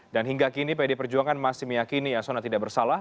dan hingga kini pdi perjuangan masih meyakini yasona tidak bersalah